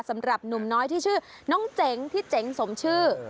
สำหรับหนุ่มน้อยที่ชื่อน้องเจ๋งพี่เจ๋งสมชื่อ